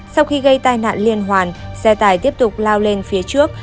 sau khi gây tai nạn liên hoàn xe tải tiếp tục lao lên phía trước